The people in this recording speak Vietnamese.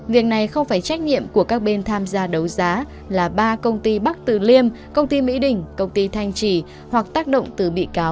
việc này không phải trách nhiệm của các bên tham gia đấu giá là ba công ty bắc từ liêm công ty mỹ đình công ty thanh trì hoặc tác động từ bị cáo